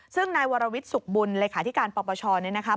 ซึ่งนายวรวิทธิ์สุขบุญเลยค่ะที่การปปชนี่นะคะ